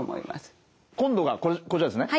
今度はこちらですね？